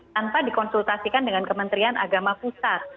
tanpa dikonsultasikan dengan kementerian agama pusat